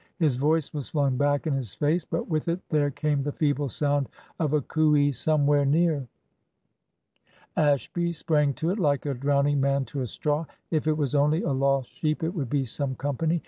His voice was flung back in his face; but with it there came the feeble sound of a "coo ey" somewhere near. Ashby sprang to it like a drowning man to a straw. If it was only a lost sheep it would be some company.